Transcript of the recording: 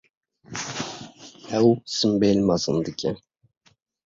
Ew simbêl mezin dike.